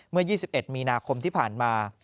เมื่อ๒๑มีนาคมที่ผ่านมา